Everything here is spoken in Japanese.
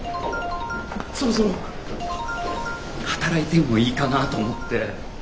そろそろ働いてもいいかなと思って。